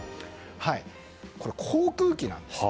航空機なんです。